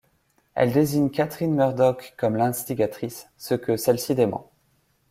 Elle désigne Catherine Murdoch comme l'instigatrice, ce que celle-ci dément.